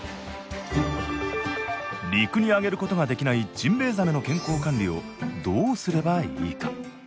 陸に上げることができないジンベエザメの健康管理をどうすればいいか。